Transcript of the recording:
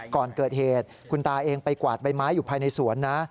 ก่อนเกิดเหตุคุณตาเองไปกวาดใบไม้อยู่ภายในสวนนะ